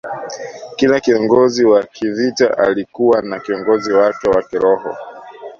Kila kiongozi wa kivita alikuwa na kiongozi wake wa kiroho